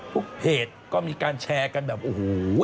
เพจก็มีการแชร์กันแบบโอ้โห